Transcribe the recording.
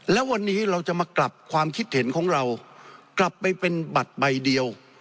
แล้ววันนี้เราจะมากลับความคิดเห็นของเรากลับไปเป็นบัตรใบเดียว